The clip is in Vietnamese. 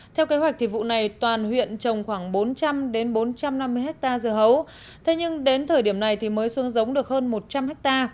theo kế hoạch vụ này toàn huyện trồng khoảng bốn trăm linh bốn trăm năm mươi hectare dưa hấu thế nhưng đến thời điểm này thì mới xuống giống được hơn một trăm linh ha